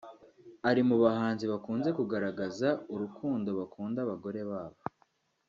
Ari mu bahanzi bakunze kugaragaza urukundo bakunda abagore babo